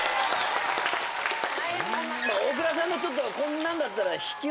大倉さんのちょっとこんなんだったら。